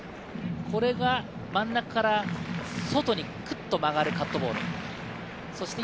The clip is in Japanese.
これが真ん中から外にくっと曲がるカットボール。